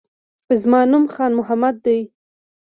زما نوم خان محمد دی